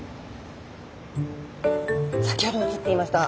先ほど写っていました